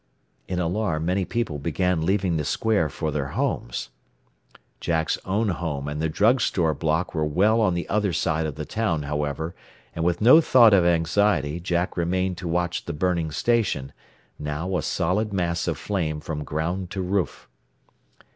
In alarm many people began leaving the square for their homes. Jack's own home and the drug store block were well on the other side of the town, however, and with no thought of anxiety Jack remained to watch the burning station, now a solid mass of flame from ground to roof.